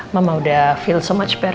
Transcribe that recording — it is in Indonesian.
mama udah feel so much better